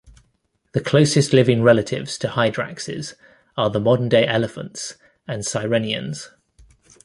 The closest living relatives to hyraxes are the modern-day elephants and sirenians.